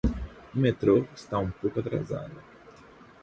O metro está um pouco atrasado.